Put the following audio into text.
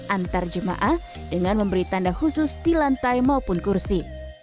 antar jemaah dengan memberi tanda khusus di lantai maupun kursi